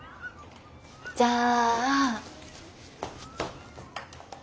じゃあ。